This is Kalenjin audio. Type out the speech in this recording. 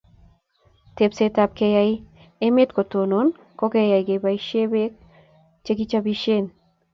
Tepset ab keyai emet kotonon ko keyai kebaishe peek chekipisishei